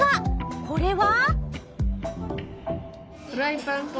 これは？